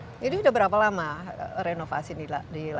jadi udah berapa lama renovasi dilakukan